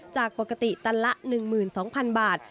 จากปกติตันละ๑๒๐๐๐บาท